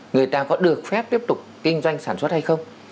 người ta có được phép tiếp tục kinh doanh sản xuất hay không